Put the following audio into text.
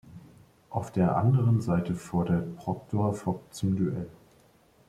Auf der anderen Seite fordert Proctor Fogg zum Duell.